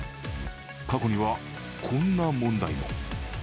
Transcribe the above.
過去には、こんな問題も。